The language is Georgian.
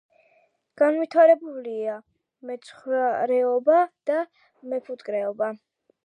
განვითარებულია მეცხვარეობა და მეფუტკრეობა.